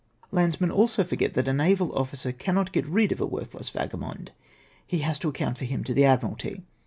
Landsmen also forQ; et that a naval officer cannot o et rid of a worthless vagabond. He lias to account for him to the Admiralty.